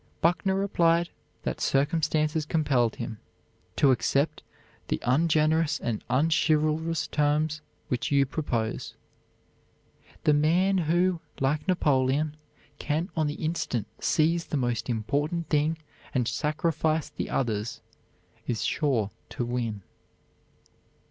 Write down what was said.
Buckner replied that circumstances compelled him "to accept the ungenerous and unchivalrous terms which you propose." The man who, like Napoleon, can on the instant seize the most important thing and sacrifice the others, is sure to win.